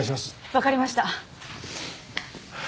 わかりました。